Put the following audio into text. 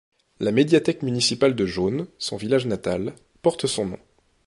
La médiathèque municipale de Josnes, son village natal, porte son nom.